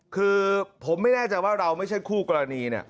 คือผมไม่แน่ใจว่าเราไม่ใช่คู่กรณี